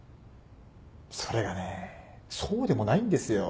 それがねぇそうでもないんですよ。